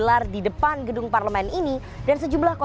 saya juga senang kerjain baixo